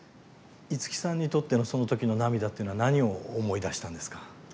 五木さんにとってのその時の涙というのは何を思い出したんですか？